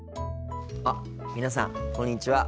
あっ皆さんこんにちは。